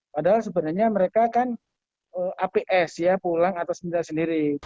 padahal sebenarnya mereka kan aps ya pulang atau seminar sendiri